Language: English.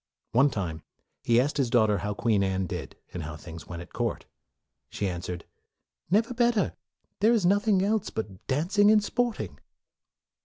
One time, he asked his daughter how Queen Anne did, and how things went at court. She answered, "Never better; there is nothing else but dancing and sporting."